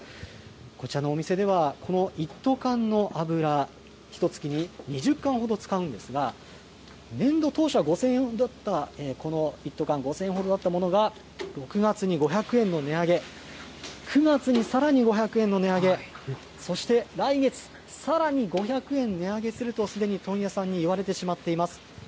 こちらのお店では、この一斗缶の油、ひとつきに２０缶ほど使うんですが、年度当初は５０００円ほどだったこの一斗缶５０００円ほどだったものが、６月に５００円の値上げ、９月にさらに５００円の値上げ、そして来月、さらに５００円値上げすると、すでに問屋さんに言われてしまっています。